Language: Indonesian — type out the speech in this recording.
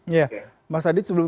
iya mas adit sebelum